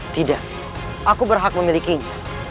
tidak aku berhak memilikinya